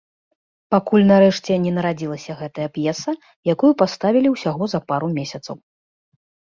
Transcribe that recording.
Пакуль, нарэшце, не нарадзілася гэтая п'еса, якую паставілі ўсяго за пару месяцаў.